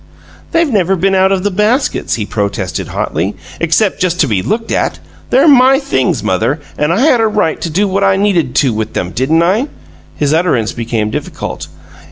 "They've never been out of the baskets," he protested, hotly, "except just to be looked at. They're MY things, mother, and I had a right to do what I needed to with 'em, didn't I?" His utterance became difficult.